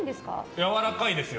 やわらかいですよ。